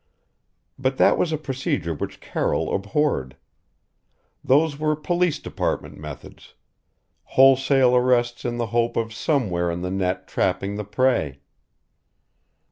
But that was a procedure which Carroll abhorred. Those were police department methods: wholesale arrests in the hope of somewhere in the net trapping the prey.